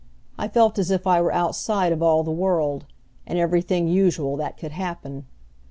I felt as if I were outside of all the world, and everything usual that could happen.